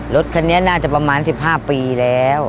รถคันนี้น่าจะประมาณ๑๕ปีแล้ว